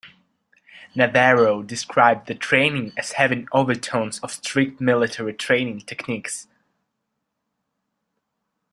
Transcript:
Navarro described the training as having overtones of strict military training techniques.